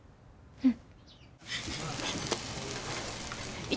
うん。